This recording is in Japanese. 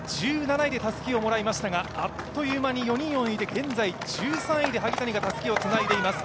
１７でたすきをもらいましたがあっという間に４人を抜いて、現在１３位で萩谷がたすきをつないでいます。